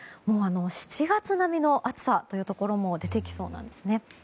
７月並みの暑さというところも出てきそうなんですね。